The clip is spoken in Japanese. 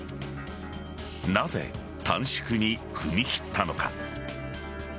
なぜ短縮に踏み切ったのか。